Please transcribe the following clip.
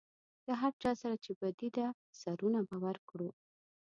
د هر چا سره چې بدي ده سرونه به ورکړو.